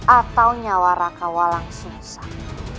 atau nyawa raka walang sungsang